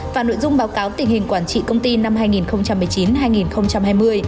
và nội dung báo cáo tình hình quản trị công ty năm hai nghìn một mươi chín hai nghìn hai mươi